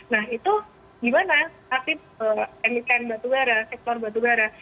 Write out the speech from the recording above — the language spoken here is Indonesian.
nah itu gimana aktif emiten batu bara sektor batu bara